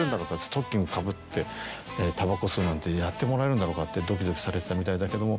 ストッキングかぶってタバコを吸うなんてやってもらえるんだろうかってドキドキされてたみたいだけども。